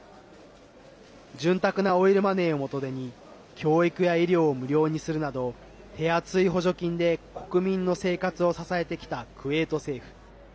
潤沢なオイルマネーを元手に教育や医療を無料にするなど手厚い補助金で国民の生活を支えてきたクウェート政府。